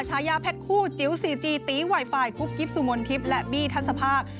ชายาแพ็คคู่จิ๋วซีจีตีไวไฟกุ๊กกิ๊บสุมนทิพย์และบี้ทัศภาค